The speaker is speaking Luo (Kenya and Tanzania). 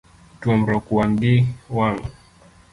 Tuomruok wang' gi wang'.